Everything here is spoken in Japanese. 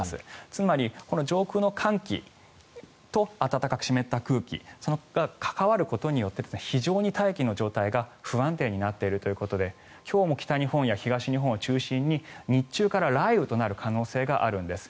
つまり、上空の寒気と暖かく湿った空気がそれが関わることによって非常に大気の状態が不安定になっているということで今日も北日本や東日本を中心に日中から雷雨となる可能性があるんです。